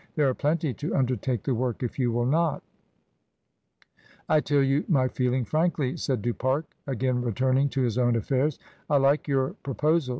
"There are plenty to undertake the work if you will not" "I tell you my feeling frankly," said Du Pare, again returning to his own affairs, "I like your pro posal.